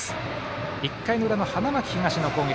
１回の裏の花巻東の攻撃。